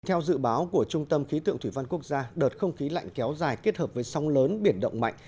theo dự báo của trung tâm khí tượng thủy văn quốc gia đợt không khí lạnh kéo dài kết hợp với sóng lớn biển động mạnh